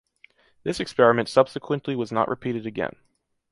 This experiment subsequently was not repeated again.